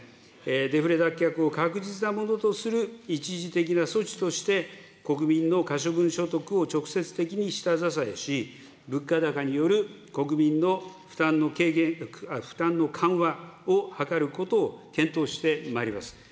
デフレ脱却を確実なものとする一時的な措置として、国民の可処分所得を直接的に下支えし、物価高による国民の負担の軽減、負担の緩和を図ることを検討してまいります。